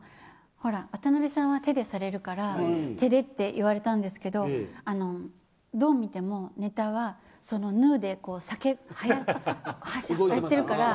渡辺さんは手でされるから手でと言われたんですがどう見ても、ネタはヌーでやってるから。